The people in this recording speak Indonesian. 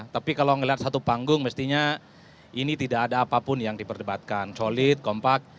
tapi kalau melihat satu panggung mestinya ini tidak ada apapun yang diperdebatkan solid kompak